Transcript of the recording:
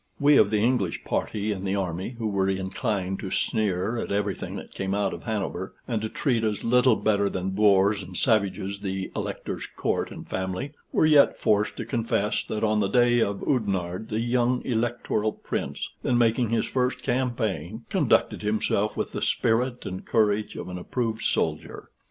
We of the English party in the army, who were inclined to sneer at everything that came out of Hanover, and to treat as little better than boors and savages the Elector's court and family, were yet forced to confess that, on the day of Oudenarde, the young Electoral Prince, then making his first campaign, conducted himself with the spirit and courage of an approved soldier.